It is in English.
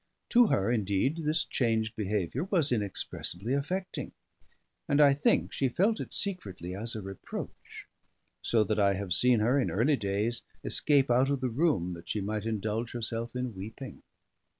To her, indeed, this changed behaviour was inexpressibly affecting; and I think she felt it secretly as a reproach; so that I have seen her, in early days, escape out of the room that she might indulge herself in weeping.